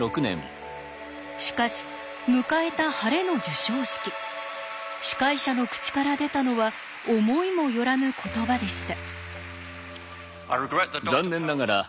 しかし迎えたハレの授賞式司会者の口から出たのは思いも寄らぬ言葉でした。